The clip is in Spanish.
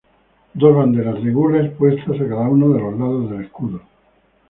Dos banderas de gules puestas a cada uno de los lados del escudo.